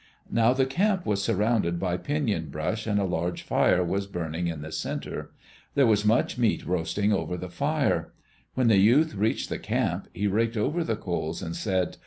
Now the camp was surrounded by pinon brush and a large fire was burning in the centre. There was much meat roasting over the fire. When the youth reached the camp, he raked over the coals and said.